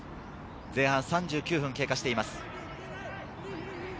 前半３９分経過しています。